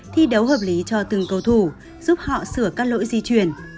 thi đấu hợp lý cho từng cầu thủ giúp họ sửa các lỗi di chuyển